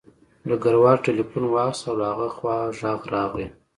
ډګروال تیلیفون واخیست او له هغه خوا غږ راغی